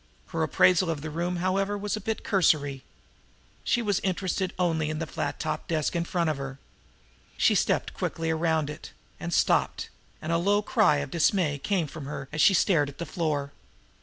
Her appraisal of the room, however, was but cursory. She was interested only in the flat topped desk in front of her. She stepped quickly around it and stopped and a low cry of dismay came from her as she stared at the floor.